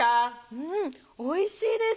うんおいしいです。